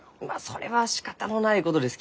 それはしかたのないことですき。